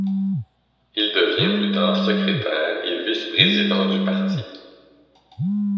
Il devient plus tard secrétaire et vice-président du parti.